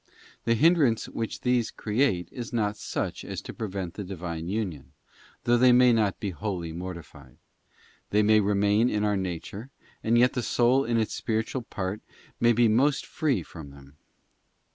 The hindrance which these create is not such as to prevent the Divine union, though they may not be wholly mortified; they may remain in our nature, and yet the soul in its spiritual part may be most free from _ them.